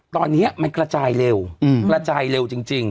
ตอนนี้มันกระจายเร็วกระจายเร็วจริง